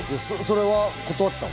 それは断ったの？